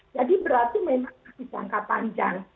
jadi berarti memang masih jangka panjang